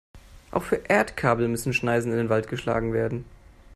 Auch für Erdkabel müssen Schneisen in den Wald geschlagen werden.